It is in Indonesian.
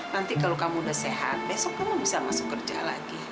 nanti kalau kamu udah sehat besok kamu bisa masuk kerja lagi